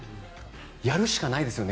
やるしかないですよね。